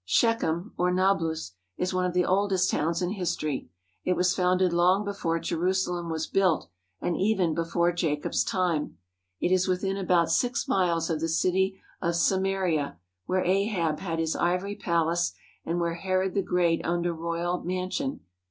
Shechem, or Nablus, is one of the oldest towns in his tory. It was founded long before Jerusalem was built and even before Jacob's time. It is within about six miles of the city of Samaria, where Ahab had his ivory palace and where Herod the Great owned a royal man sion.